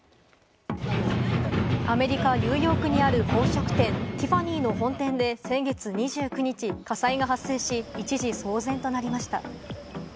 アメリカ・ニューヨークにある宝飾店・ティファニーの本店で先月２９日、火災が発生し、一時騒然となりました。